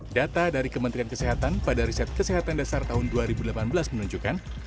data dari kementerian kesehatan pada riset kesehatan dasar tahun dua ribu delapan belas menunjukkan